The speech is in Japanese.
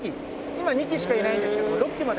今２機しかいないんですけども６機まで。